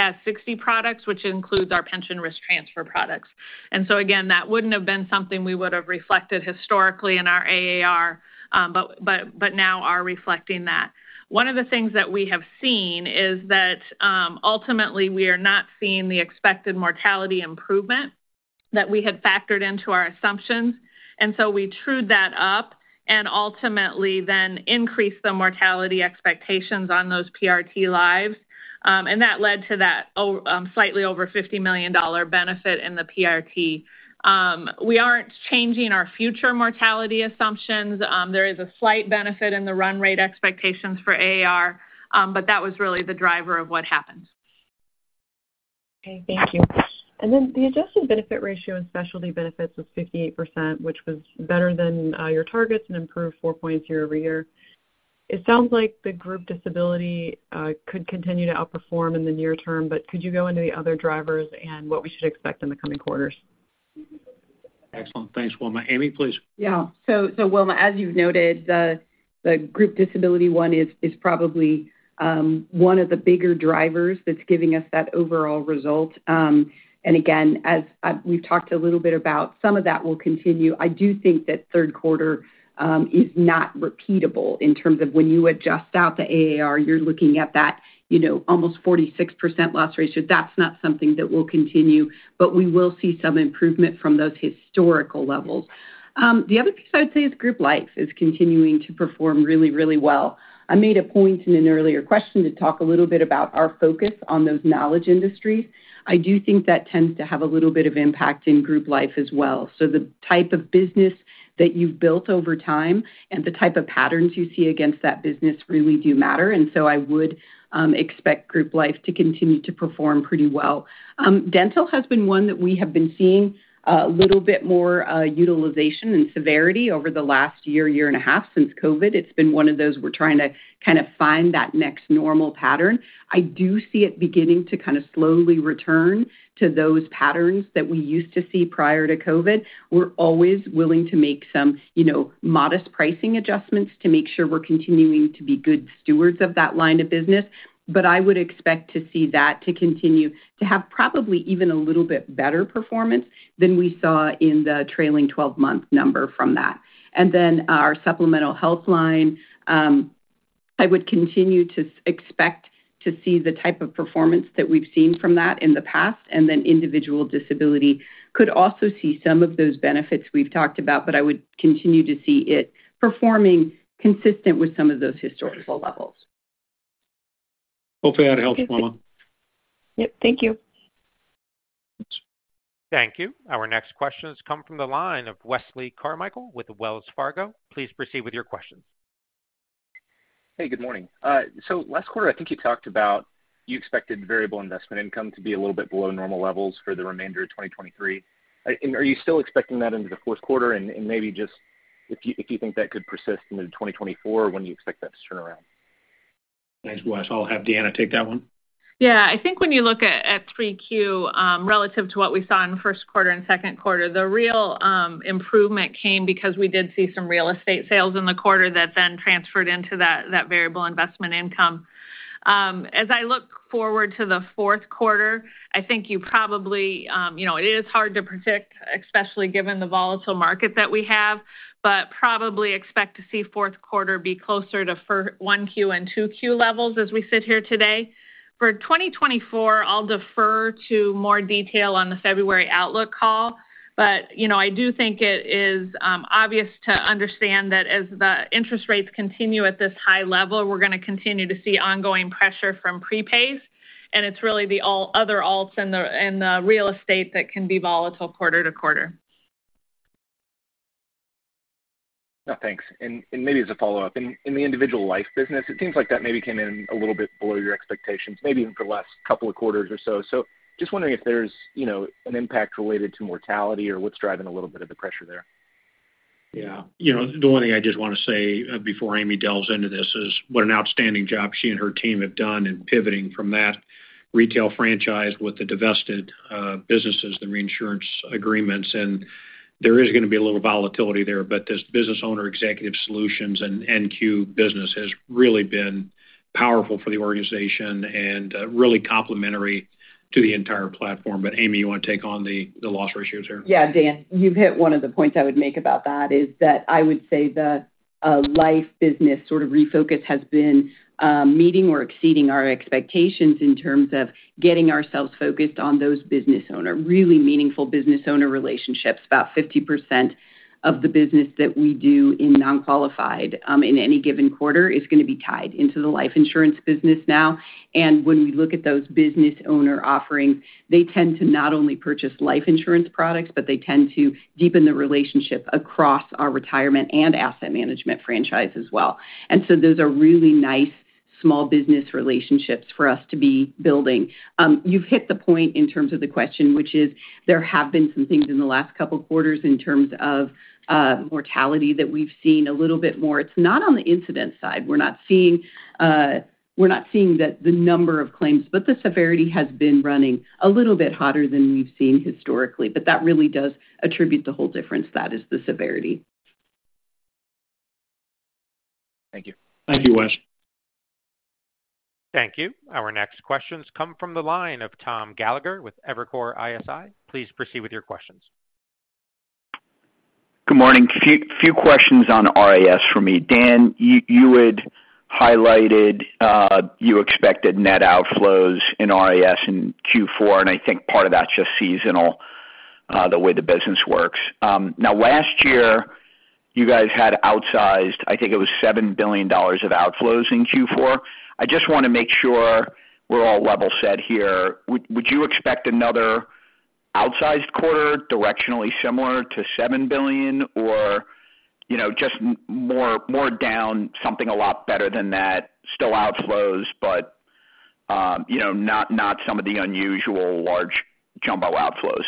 actuarial review also applies to Fast 60 products, which includes our pension risk transfer products. Again, that wouldn't have been something we would have reflected historically in our AAR, but now are reflecting that. One of the things that we have seen is that, ultimately we are not seeing the expected mortality improvement that we had factored into our assumptions, and so we trued that up and ultimately then increased the mortality expectations on those PRT lives. That led to that, slightly over $50 million benefit in the PRT. We aren't changing our future mortality assumptions. There is a slight benefit in the run rate expectations for AAR, but that was really the driver of what happened. Okay, thank you. And then the adjusted benefit ratio and specialty benefits was 58%, which was better than your targets and improved 4 points year-over-year. It sounds like the group disability could continue to outperform in the near term, but could you go into the other drivers and what we should expect in the coming quarters? Excellent. Thanks, Wilma. Amy, please. Yeah. Wilma, as you've noted, the group disability one is probably one of the bigger drivers that's giving us that overall result. Again, as I've—we've talked a little bit about, some of that will continue. I do think that third quarter is not repeatable in terms of when you adjust out the AAR, you're looking at that, you know, almost 46% loss ratio. That's not something that will continue, but we will see some improvement from those historical levels. The other piece I'd say is group life is continuing to perform really, really well. I made a point in an earlier question to talk a little bit about our focus on those knowledge industries. I do think that tends to have a little bit of impact in group life as well. So the type of business that you've built over time and the type of patterns you see against that business really do matter, and so I would expect group life to continue to perform pretty well. Dental has been one that we have been seeing a little bit more utilization and severity over the last year, year and a half since COVID. It's been one of those we're trying to kind of find that next normal pattern. I do see it beginning to kind of slowly return to those patterns that we used to see prior to COVID. We're always willing to make some, you know, modest pricing adjustments to make sure we're continuing to be good stewards of that line of business, but I would expect to see that to continue to have probably even a little bit better performance than we saw in the trailing twelve-month number from that. And then our supplemental health line, I would continue to expect to see the type of performance that we've seen from that in the past, and then individual disability could also see some of those benefits we've talked about, but I would continue to see it performing consistent with some of those historical levels. Hopefully that helps, Wilma. Yep, thank you. Thank you. Our next question has come from the line of Wesley Carmichael with Wells Fargo. Please proceed with your questions. Hey, good morning. So last quarter, I think you talked about you expected variable investment income to be a little bit below normal levels for the remainder of 2023. And are you still expecting that into the fourth quarter? And, and maybe just if you, if you think that could persist into 2024, when do you expect that to turn around? Thanks, Wes. I'll have Deanna take that one. Yeah. I think when you look at three Q relative to what we saw in first quarter and second quarter, the real improvement came because we did see some real estate sales in the quarter that then transferred into that variable investment income. As I look forward to the fourth quarter, I think you probably you know, it is hard to predict, especially given the volatile market that we have, but probably expect to see fourth quarter be closer to one Q and two Q levels as we sit here today. For 2024, I'll defer to more detail on the February outlook call, but, you know, I do think it is obvious to understand that as the interest rates continue at this high level, we're going to continue to see ongoing pressure from prepays, and it's really the all-other alts and the, and the real estate that can be volatile quarter to quarter. ... No, thanks. Maybe as a follow-up, in the individual life business, it seems like that maybe came in a little bit below your expectations, maybe even for the last couple of quarters or so. So just wondering if there's, you know, an impact related to mortality or what's driving a little bit of the pressure there? Yeah. You know, the one thing I just want to say before Amy delves into this is what an outstanding job she and her team have done in pivoting from that retail franchise with the divested businesses, the reinsurance agreements, and there is going to be a little volatility there. But this business owner executive solutions and NQ business has really been powerful for the organization and really complementary to the entire platform. But, Amy, you want to take on the loss ratios here? Yeah, Dan, you've hit one of the points I would make about that, is that I would say the life business sort of refocus has been meeting or exceeding our expectations in terms of getting ourselves focused on those business owner, really meaningful business owner relationships. About 50% of the business that we do in non-qualified in any given quarter is going to be tied into the life insurance business now. And when we look at those business owner offerings, they tend to not only purchase life insurance products, but they tend to deepen the relationship across our retirement and asset management franchise as well. And so those are really nice small business relationships for us to be building. You've hit the point in terms of the question, which is there have been some things in the last couple of quarters in terms of mortality that we've seen a little bit more. It's not on the incident side. We're not seeing that the number of claims, but the severity has been running a little bit hotter than we've seen historically, but that really does attribute the whole difference. That is the severity. Thank you. Thank you, Wes. Thank you. Our next questions come from the line of Tom Gallagher with Evercore ISI. Please proceed with your questions. Good morning. A few, few questions on RAS for me. Dan, you, you had highlighted, you expected net outflows in RAS in Q4, and I think part of that's just seasonal, the way the business works. Now, last year, you guys had outsized, I think it was $7 billion of outflows in Q4. I just want to make sure we're all level set here. Would, would you expect another outsized quarter directionally similar to $7 billion, or, you know, just more, more down, something a lot better than that? Still outflows, but, you know, not, not some of the unusual large jumbo outflows.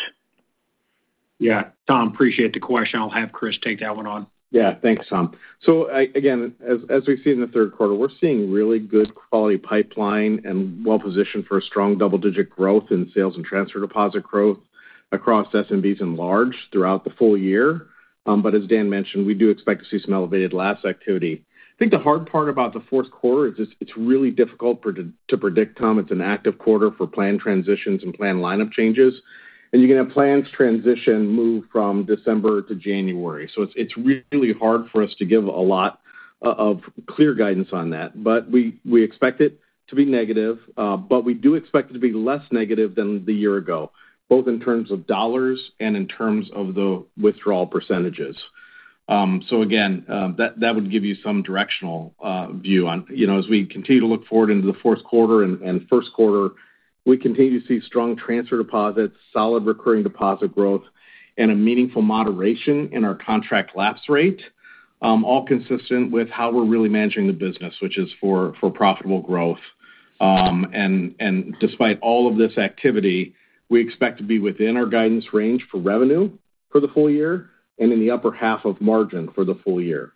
Yeah. Tom, appreciate the question. I'll have Chris take that one on. Yeah. Thanks, Tom. So again, as we've seen in the third quarter, we're seeing really good quality pipeline and well positioned for a strong double-digit growth in sales and transfer deposit growth across SMBs and large throughout the full year. But as Dan mentioned, we do expect to see some elevated lapse activity. I think the hard part about the fourth quarter is it's really difficult to predict, Tom. It's an active quarter for plan transitions and plan lineup changes, and you're going to have plans transition move from December to January. So it's really hard for us to give a lot of clear guidance on that, but we expect it to be negative, but we do expect it to be less negative than the year ago, both in terms of dollars and in terms of the withdrawal percentages. So again, that would give you some directional view on... You know, as we continue to look forward into the fourth quarter and first quarter, we continue to see strong transfer deposits, solid recurring deposit growth, and a meaningful moderation in our contract lapse rate, all consistent with how we're really managing the business, which is for profitable growth. And despite all of this activity, we expect to be within our guidance range for revenue for the full year and in the upper half of margin for the full year.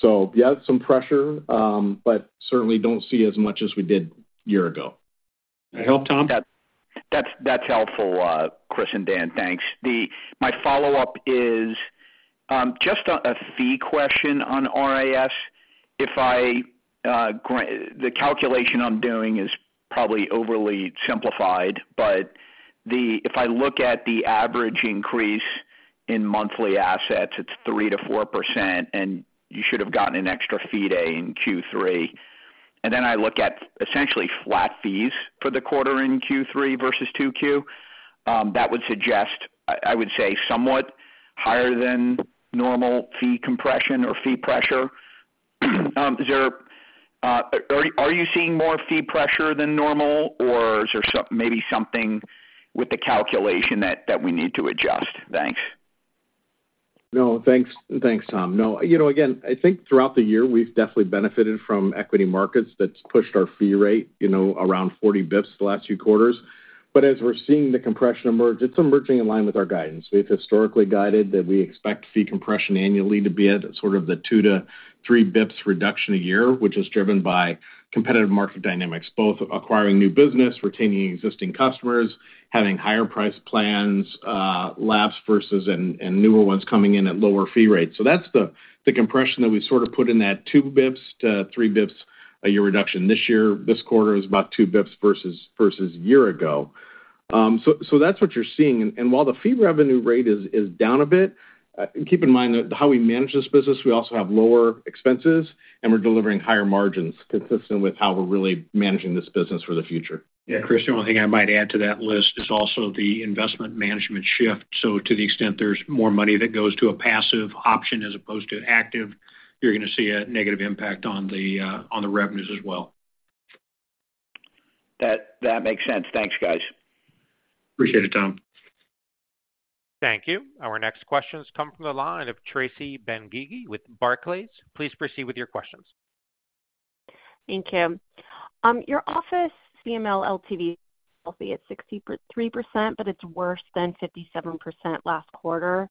So yeah, some pressure, but certainly don't see as much as we did a year ago. That help, Tom? That's helpful, Chris and Dan. Thanks. Then my follow-up is just a fee question on RIS. If I grant the calculation I'm doing is probably overly simplified, but if I look at the average increase in monthly assets, it's 3%-4%, and you should have gotten an extra fee day in Q3. And then I look at essentially flat fees for the quarter in Q3 versus Q2. That would suggest, I would say, somewhat higher than normal fee compression or fee pressure. Are you seeing more fee pressure than normal, or is there maybe something with the calculation that we need to adjust? Thanks. No, thanks. Thanks, Tom. No, you know, again, I think throughout the year, we've definitely benefited from equity markets that's pushed our fee rate, you know, around 40 bips the last few quarters. But as we're seeing the compression emerge, it's emerging in line with our guidance. We've historically guided that we expect fee compression annually to be at sort of the two to three bips reduction a year, which is driven by competitive market dynamics, both acquiring new business, retaining existing customers, having higher price plans, lapse versus and, and newer ones coming in at lower fee rates. So that's the, the compression that we sort of put in that two to three bips a year reduction. This year, this quarter is about two bips versus, versus a year ago. So that's what you're seeing. While the fee revenue rate is down a bit, keep in mind that how we manage this business, we also have lower expenses, and we're delivering higher margins consistent with how we're really managing this business for the future. Yeah, Chris, the only thing I might add to that list is also the investment management shift. To the extent there's more money that goes to a passive option as opposed to active, you're going to see a negative impact on the revenues as well. That, that makes sense. Thanks, guys. Appreciate it, Tom. Thank you. Our next questions come from the line of Tracy Benguigui with Barclays. Please proceed with your questions. Thank you. Your office CML LTV healthy at 63%, but it's worse than 57% last quarter.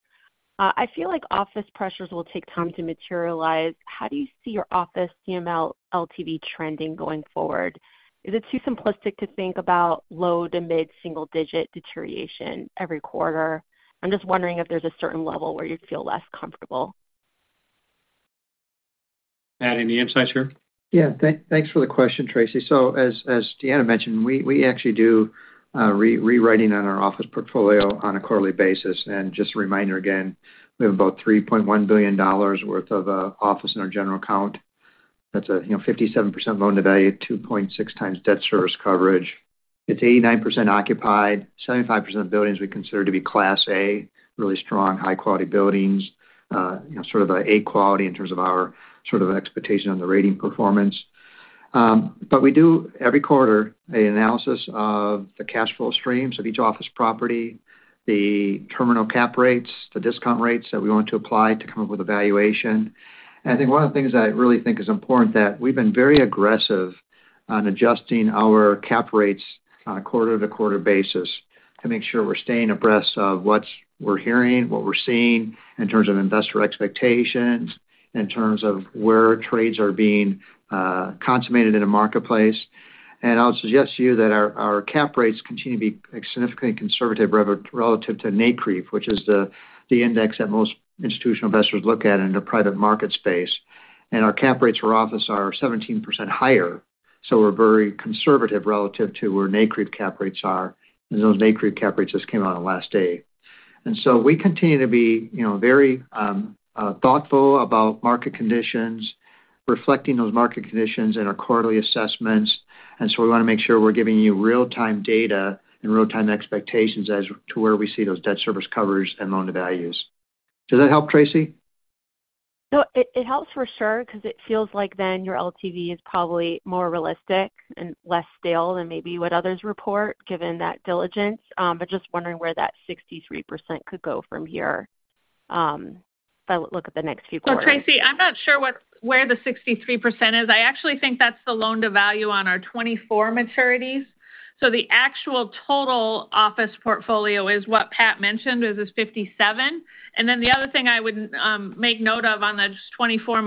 I feel like office pressures will take time to materialize. How do you see your office CML LTV trending going forward? Is it too simplistic to think about low to mid single digit deterioration every quarter? I'm just wondering if there's a certain level where you'd feel less comfortable. Pat, any insights here? Yeah. Thanks for the question, Tracy. So as Deanna mentioned, we actually do rewriting on our office portfolio on a quarterly basis. Just a reminder, again, we have about $3.1 billion worth of office in our general account. That's a, you know, 57% loan to value, 2.6 times debt service coverage. It's 89% occupied, 75% of the buildings we consider to be Class A, really strong, high-quality buildings, you know, sort of an A quality in terms of our sort of expectation on the rating performance. But we do every quarter an analysis of the cash flow streams of each office property, the terminal cap rates, the discount rates that we want to apply to come up with a valuation. I think one of the things I really think is important, that we've been very aggressive on adjusting our cap rates on a quarter-to-quarter basis to make sure we're staying abreast of what we're hearing, what we're seeing in terms of investor expectations, in terms of where trades are being consummated in the marketplace. I'll suggest to you that our cap rates continue to be significantly conservative relative to NCREIF, which is the index that most institutional investors look at in the private market space. Our cap rates for office are 17% higher, so we're very conservative relative to where NCREIF cap rates are, and those NCREIF cap rates just came out on the last day. We continue to be, you know, very thoughtful about market conditions, reflecting those market conditions in our quarterly assessments. And so we want to make sure we're giving you real-time data and real-time expectations as to where we see those debt service covers and loan to values. Does that help, Tracy? So it helps for sure, because it feels like then your LTV is probably more realistic and less stale than maybe what others report, given that diligence. But just wondering where that 63% could go from here, if I look at the next few quarters. So Tracy, I'm not sure where the 63% is. I actually think that's the loan-to-value on our 2024 maturities. So the actual total office portfolio is what Pat mentioned, is it's 57%. And then the other thing I would make note of on the just 2024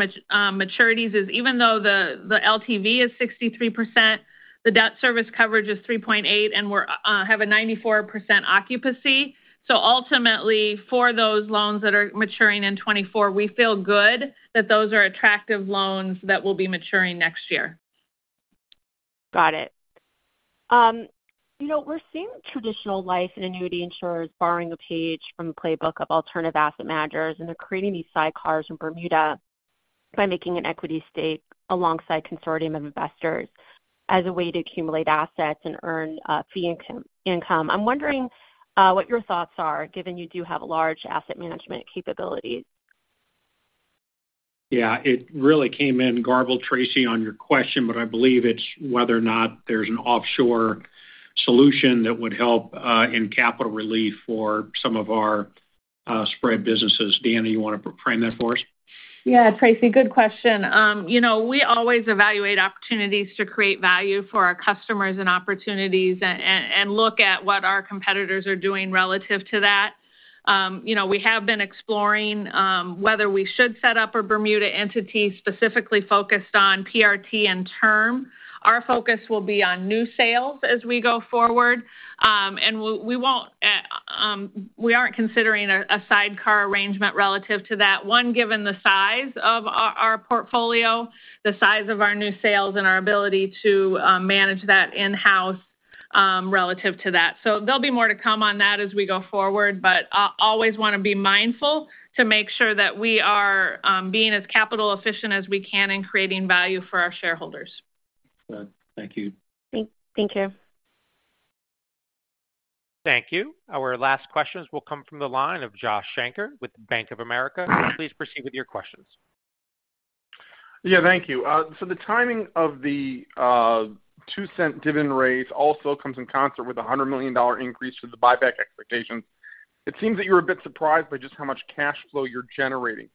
maturities is even though the LTV is 63%, the debt service coverage is 3.8, and we have a 94% occupancy. So ultimately, for those loans that are maturing in 2024, we feel good that those are attractive loans that will be maturing next year. Got it. You know, we're seeing traditional life and annuity insurers borrowing a page from the playbook of alternative asset managers, and they're creating these sidecars in Bermuda by making an equity stake alongside consortium of investors as a way to accumulate assets and earn fee income, income. I'm wondering what your thoughts are, given you do have large asset management capabilities. Yeah, it really came in garbled, Tracy, on your question, but I believe it's whether or not there's an offshore solution that would help in capital relief for some of our spread businesses. Deanna, you want to frame that for us? Yeah, Tracy, good question. You know, we always evaluate opportunities to create value for our customers and opportunities and look at what our competitors are doing relative to that. You know, we have been exploring whether we should set up a Bermuda entity specifically focused on PRT and term. Our focus will be on new sales as we go forward. We won't, we aren't considering a sidecar arrangement relative to that. One, given the size of our portfolio, the size of our new sales, and our ability to manage that in-house, relative to that. There'll be more to come on that as we go forward, but always want to be mindful to make sure that we are being as capital efficient as we can and creating value for our shareholders. Good. Thank you. Thank you. Thank you. Our last questions will come from the line of Josh Shanker with Bank of America. Please proceed with your questions. Yeah, thank you. So the timing of the $0.02 dividend raise also comes in concert with a $100 million increase to the buyback expectations. It seems that you're a bit surprised by just how much cash flow you're generating.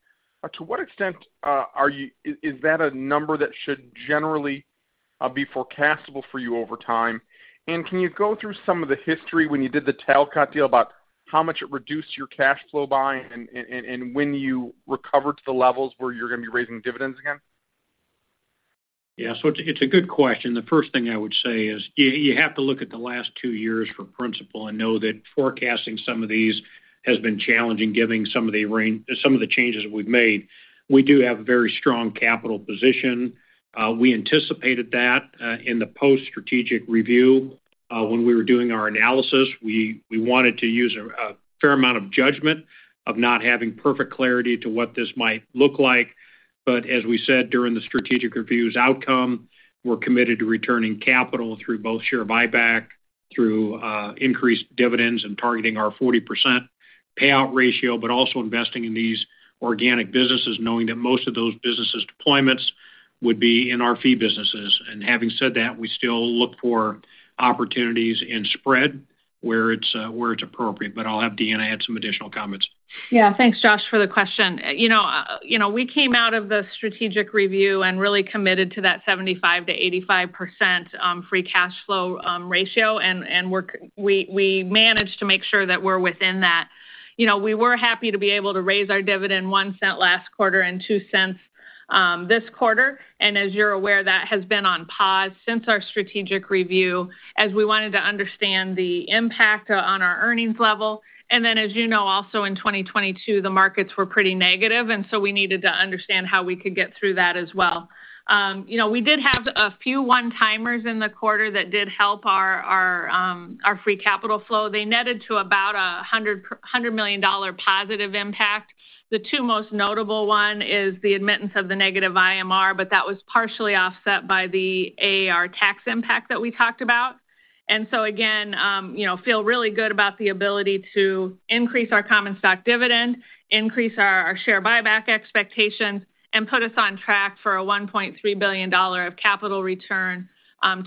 To what extent are you-- is, is that a number that should generally be forecastable for you over time? And can you go through some of the history when you did the Talcott deal, about how much it reduced your cash flow by and, and, and when you recovered to the levels where you're going to be raising dividends again? Yeah, so it's a good question. The first thing I would say is you have to look at the last two years for Principal and know that forecasting some of these has been challenging, given some of the range—some of the changes we've made. We do have a very strong capital position. We anticipated that in the post strategic review when we were doing our analysis. We wanted to use a fair amount of judgment of not having perfect clarity to what this might look like. But as we said during the strategic review's outcome, we're committed to returning capital through both share buyback Through increased dividends and targeting our 40% payout ratio, but also investing in these organic businesses, knowing that most of those businesses' deployments would be in our fee businesses. And having said that, we still look for opportunities in spread where it's appropriate. But I'll have Deanna add some additional comments. Yeah. Thanks, Josh, for the question. You know, you know, we came out of the strategic review and really committed to that 75%-85% free cash flow ratio, and we managed to make sure that we're within that. You know, we were happy to be able to raise our dividend $0.01 last quarter and $0.02 this quarter. And as you're aware, that has been on pause since our strategic review, as we wanted to understand the impact on our earnings level. And then, as you know, also in 2022, the markets were pretty negative, and so we needed to understand how we could get through that as well. You know, we did have a few one-timers in the quarter that did help our, our, our free capital flow. They netted to about $100 million positive impact. The two most notable one is the admittance of the negative IMR, but that was partially offset by the AAR tax impact that we talked about. And so again, you know, feel really good about the ability to increase our common stock dividend, increase our share buyback expectations, and put us on track for a $1.3 billion of capital return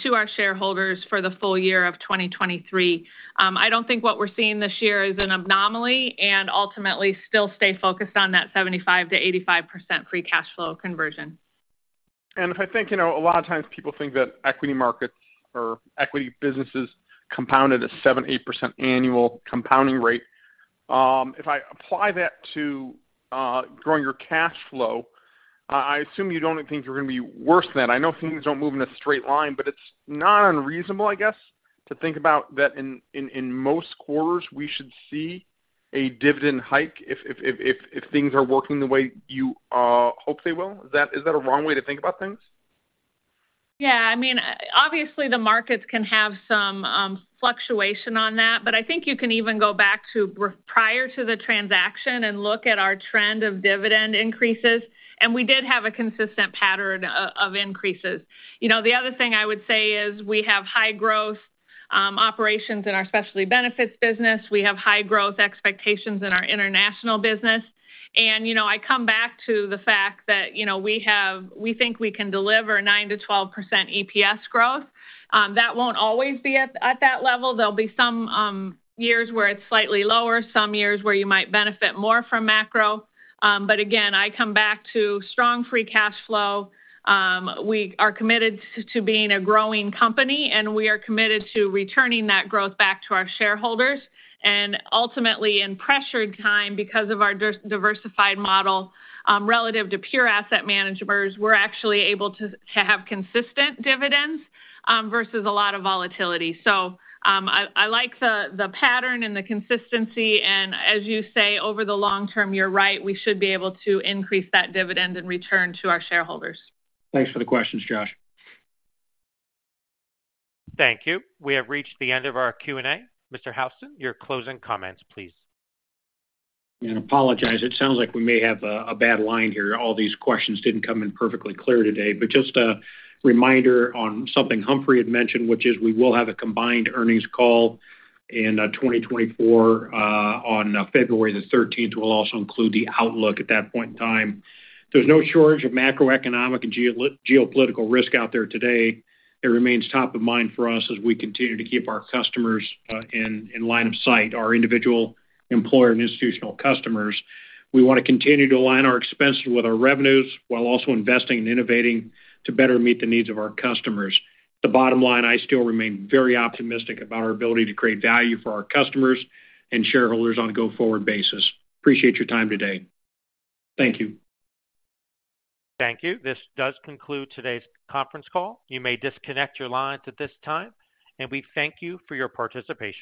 to our shareholders for the full year of 2023. I don't think what we're seeing this year is an anomaly, and ultimately still stay focused on that 75%-85% free cash flow conversion. If I think, you know, a lot of times people think that equity markets or equity businesses compounded a 7% to 8% annual compounding rate. If I apply that to growing your cash flow, I assume you don't think you're gonna be worse than that. I know things don't move in a straight line, but it's not unreasonable, I guess, to think about that in most quarters, we should see a dividend hike if things are working the way you hope they will? Is that a wrong way to think about things? Yeah, I mean, obviously, the markets can have some fluctuation on that, but I think you can even go back to prior to the transaction and look at our trend of dividend increases, and we did have a consistent pattern of increases. You know, the other thing I would say is we have high growth operations in our specialty benefits business. We have high growth expectations in our international business. And, you know, I come back to the fact that, you know, we have—we think we can deliver 9% to 12% EPS growth. That won't always be at that level. There'll be some years where it's slightly lower, some years where you might benefit more from macro. But again, I come back to strong free cash flow. We are committed to being a growing company, and we are committed to returning that growth back to our shareholders. And ultimately, in pressured time, because of our diversified model, relative to pure asset managers, we're actually able to have consistent dividends versus a lot of volatility. So, I like the pattern and the consistency, and as you say, over the long term, you're right, we should be able to increase that dividend and return to our shareholders. Thanks for the questions, Josh. Thank you. We have reached the end of our Q&A. Mr. Houston, your closing comments, please. Apologize, it sounds like we may have a bad line here. All these questions didn't come in perfectly clear today. Just a reminder on something Humphrey had mentioned, which is we will have a combined earnings call in 2024 on February 13th. We'll also include the outlook at that point in time. There's no shortage of macroeconomic and geopolitical risk out there today. It remains top of mind for us as we continue to keep our customers in line of sight, our individual employer and institutional customers. We want to continue to align our expenses with our revenues, while also investing and innovating to better meet the needs of our customers. The bottom line, I still remain very optimistic about our ability to create value for our customers and shareholders on a go-forward basis. Appreciate your time today. Thank you. Thank you. This does conclude today's conference call. You may disconnect your lines at this time, and we thank you for your participation.